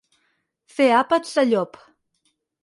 Fer àpats de llop.